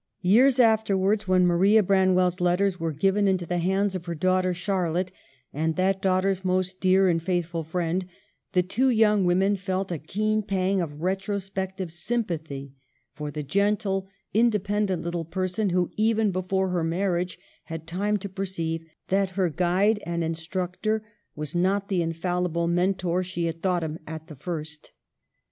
Years afterwards, when Maria Branwell's let ters were given into the hands of her daughter Charlotte and that daughter's most dear and faithful friend, the two young women felt a keen pang of retrospective sympathy for the gentle, independent little person who, even before her marriage, had time to perceive that her guide and instructor was. not the infallible Mentor she had thought him as" the first.